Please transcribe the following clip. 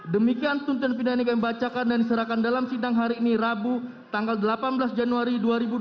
demikian tuntutan pidana yang dibacakan dan diserahkan dalam sidang hari ini rabu tanggal delapan belas januari dua ribu dua puluh